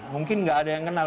mungkin nggak ada yang kenal